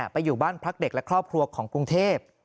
ไปอยู่บ้านพักเด็กและครอบครัวของกรุงเทพ